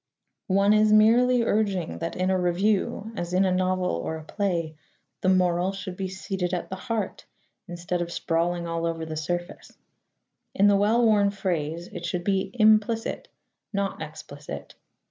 One is merely urging that in a review, as in a novel or a play, the moral should be seated at the heart instead of sprawling all over the surface. In the well worn phrase it should be implicit, not explicit.